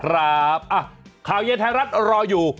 ครับข่าวเย็นไทยรัฐรออยู่